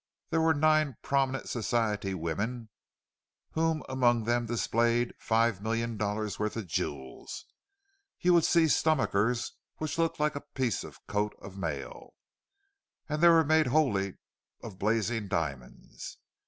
There were nine prominent Society women, who among them displayed five million dollars' worth of jewels. You would see stomachers which looked like a piece of a coat of mail, and were made wholly of blazing diamonds.